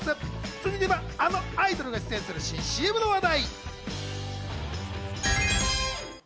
続いては、あのアイドルが出演する新ＣＭの話題。